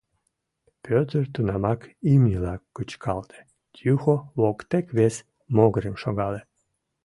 Пӧтыр тунамак имньыла кычкалте, Юхо воктек вес могырым шогале.